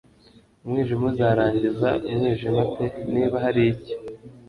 Umwijima uzarangiza umwijima pe niba hari icyo: